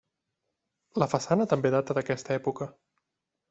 La façana també data d'aquesta època.